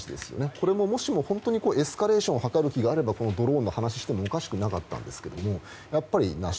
これも、もしも本当にエスカレーションを図る気があればドローンの話をしてもおかしくなかったんですがやっぱり、なし。